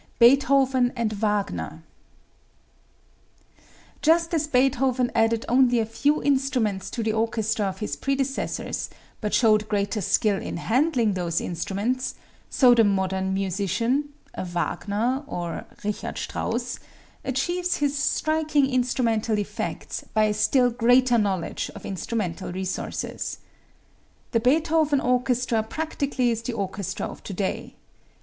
Beethoven and Wagner. Just as Beethoven added only a few instruments to the orchestra of his predecessors, but showed greater skill in handling those instruments, so the modern musician a Wagner or a Richard Strauss achieves his striking instrumental effects by a still greater knowledge of instrumental resources. The Beethoven orchestra practically is the orchestra of to day.